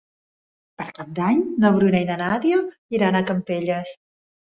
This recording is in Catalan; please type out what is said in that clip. Per Cap d'Any na Bruna i na Nàdia iran a Campelles.